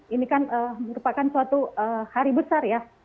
ini kan merupakan suatu hari besar ya